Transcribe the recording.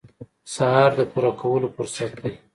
سهار د پوره کولو فرصت دی.